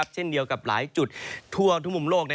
เช่นเดียวกับหลายจุดทั่วทุกมุมโลก